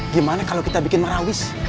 gimana kalau kita bikin marawis